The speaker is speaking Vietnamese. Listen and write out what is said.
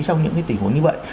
trong những cái tình huống như vậy